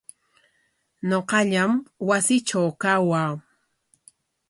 Ñuqallam wasiitraw kawaa.